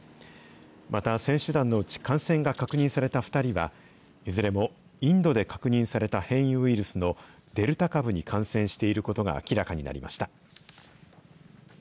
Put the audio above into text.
また選手団のうち感染が確認された２人は、いずれもインドで確認された変異ウイルスのデルタ株に感染していることが明らかになりました。